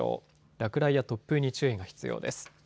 落雷や突風に注意が必要です。